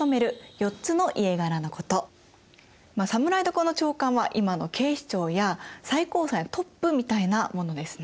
侍所の長官は今の警視庁や最高裁のトップみたいなものですね。